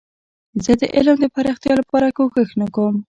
زه د علم د پراختیا لپاره کوښښ نه کوم.